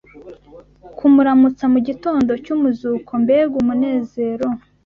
kumuramutsa mu gitondo cy’umuzuko mbega umunezero